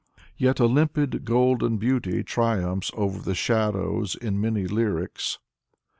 Yet a limpid, golden beauty triumphs over the shadows in many lyrics.